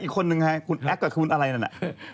คุณแอฟแต่คุณอะไรนั่นอ่ะ